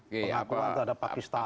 pengakuan terhadap pakistan